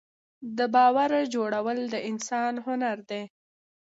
د باور جوړول د انسان هنر دی.